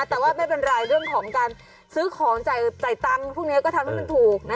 แต่ว่าไม่เป็นไรเรื่องของการซื้อของจ่ายตังค์พวกนี้ก็ทำให้มันถูกนะ